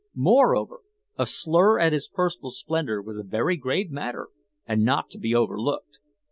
Moreover, a slur at his personal splendor was a very grave matter and not to be overlooked.